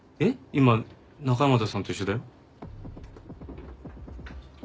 今中山田さんと一緒だよ。